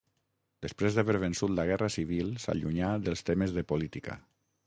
Després d'haver vençut la Guerra Civil s'allunyà dels temes de política.